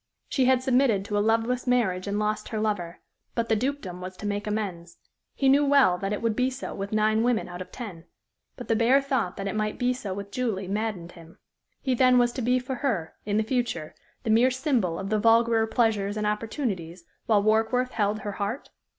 She had submitted to a loveless marriage and lost her lover; but the dukedom was to make amends. He knew well that it would be so with nine women out of ten. But the bare thought that it might be so with Julie maddened him. He then was to be for her, in the future, the mere symbol of the vulgarer pleasures and opportunities, while Warkworth held her heart?